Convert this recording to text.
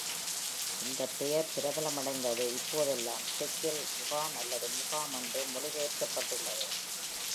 இந்த பெயர் பிரபலமடைந்தது, இப்போதெல்லாம் செக்கில் "முகாம்" அல்லது "முகாம்" என்று மொழிபெயர்க்கப்பட்டுள்ளது.